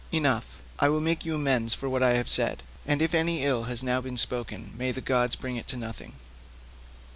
Enough; I will make you amends for what I have said, and if any ill has now been spoken may the gods bring it to nothing."